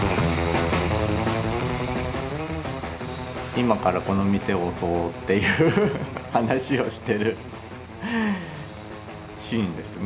今からこの店を襲おうっていう話をしてるシーンですね。